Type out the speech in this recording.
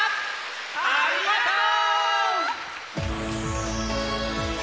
ありがとう！